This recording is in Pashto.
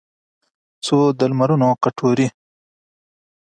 څو د لمرونو کټوري